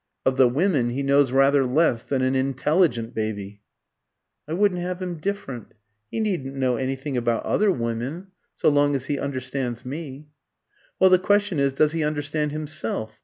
Of the women he knows rather less than an intelligent baby." "I wouldn't have him different. He needn't know anything about other women, so long as he understands me." "Well, the question is, does he understand himself?